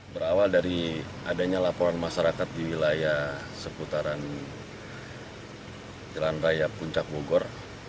berawal dari adanya laporan masyarakat di wilayah seputaran jalan raya puncak bogor